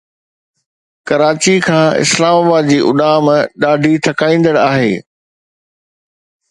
ڪراچي کان اسلام آباد جي اڏام ڏاڍي ٿڪائيندڙ آهي